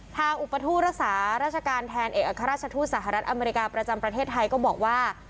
อุปทูตรักษาราชการแทนเอกอัครราชทูตสหรัฐอเมริกาประจำประเทศไทยก็บอกว่า